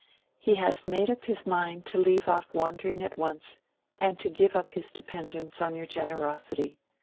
"He has made up his mind to leave off wandering at once, and to give up his dependence on your generosity.